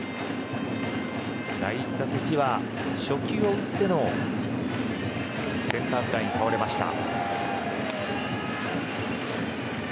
第１打席は初球を打ってのセンターフライに倒れました。